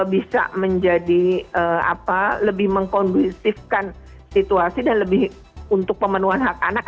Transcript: bisa menjadi lebih mengkondusifkan situasi dan lebih untuk pemenuhan hak anak